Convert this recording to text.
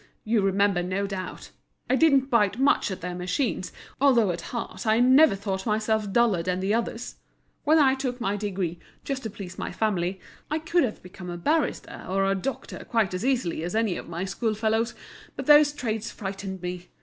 You remember, no doubt, I didn't bite much at their machines, although at heart I never thought myself duller than the others. When I took my degree, just to please the family, I could have become a barrister or a doctor quite as easily as any of my school fellows, but those trades frightened me.